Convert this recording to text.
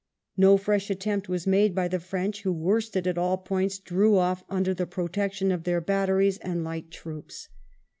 No fresh attempt was made by the French, who, worsted at all points, drew off under the protection of their batteries and light troops.